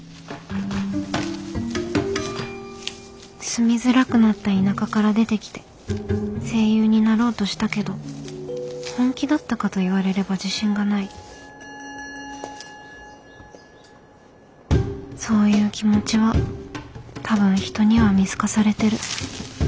住みづらくなった田舎から出てきて声優になろうとしたけど本気だったかと言われれば自信がないそういう気持ちは多分人には見透かされてる。